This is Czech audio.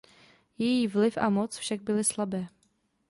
Její vliv a moc však byly slabé.